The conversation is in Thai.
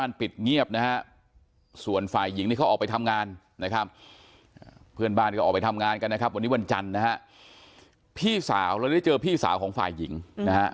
เราจะออกไปทำงานกันนะครับวันนี้วันจันทร์นะฮะพี่สาวเราได้เจอพี่สาวของฝ่ายหญิงนะฮะ